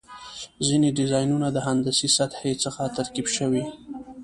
ځینې ډیزاینونه د هندسي سطحې څخه ترکیب شوي.